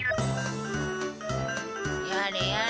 やれやれ。